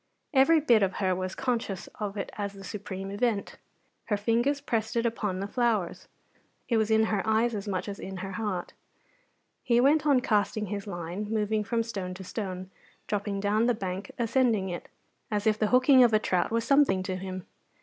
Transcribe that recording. Every bit of her was conscious of it as the supreme event. Her fingers pressed it upon the flowers. It was in her eyes as much as in her heart. He went on casting his line, moving from stone to stone, dropping down the bank, ascending it, as if the hooking of a trout was something to him.